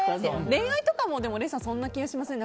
恋愛とかも、礼さんそんな気がしません？